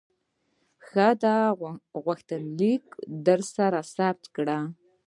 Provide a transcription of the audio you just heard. ښه ده، غوښتنلیک درسره ثبت کړه.